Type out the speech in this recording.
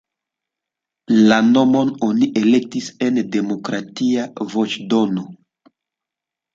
La nomon oni elektis en demokratia voĉdono.